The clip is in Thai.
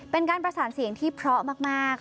เป็นการประสานเสียงที่เพราะมาก